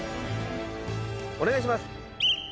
お願いします。